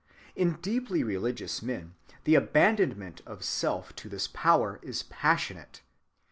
In deeply religious men the abandonment of self to this power is passionate.